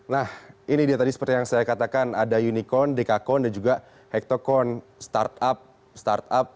nah ini dia tadi seperti yang saya katakan ada unicorn dekakon dan juga hektocorn startup startup